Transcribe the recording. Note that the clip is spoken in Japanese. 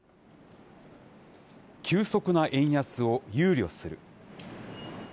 急速な円安を憂慮する。